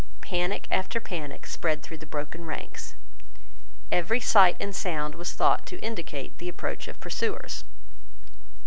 Panic after panic spread through the broken ranks. Every sight and sound was thought to indicate the approach of pursuers.